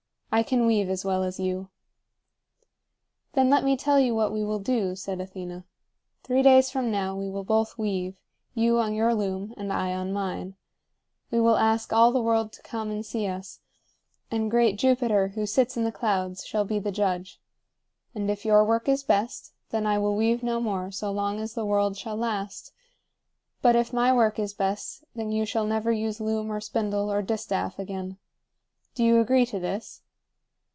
I can weave as well as you." "Then let me tell you what we will do," said Athena. "Three days from now we will both weave; you on your loom, and I on mine. We will ask all the world to come and see us; and great Jupiter, who sits in the clouds, shall be the judge. And if your work is best, then I will weave no more so long as the world shall last; but if my work is best, then you shall never use loom or spindle or distaff again. Do you agree to this?"